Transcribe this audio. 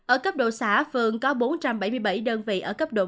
ở cấp độ xã phường có bốn trăm bảy mươi bảy đơn vị ở cấp độ một